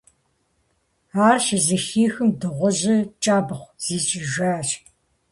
Ар щызэхихым, дыгъужьым кӏэбгъу зищӏыжащ.